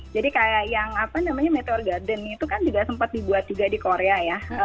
jadi kayak yang apa namanya meteor garden itu kan juga sempat dibuat juga di korea ya